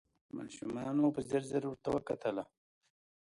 ماشومانو په ځیر ځیر ورته کتله